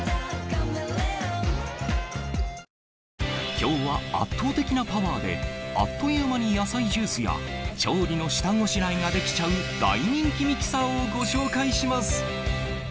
今日は圧倒的なパワーであっという間に野菜ジュースや調理の下ごしらえができちゃう大人気ミキサーをご紹介します